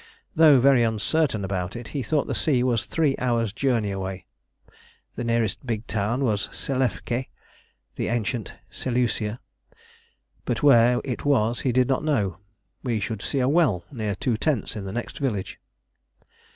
Though very uncertain about it, he thought the sea was three hours' journey away: the nearest big town was Selefké (the ancient Seleucia), but where it was he did not know; we should see a well near two tents in the next village.